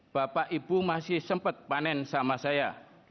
bapak ibu masih sempat panen sama saya